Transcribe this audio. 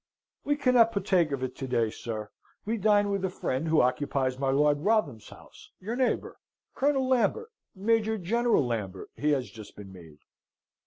"We cannot partake of it to day, sir. We dine with a friend who occupies my Lord Wrotham's house, your neighbour. Colonel Lambert Major General Lambert he has just been made."